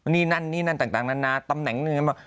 นี่นั่นนี่นั่นต่างนานาตำแหน่งหนึ่ง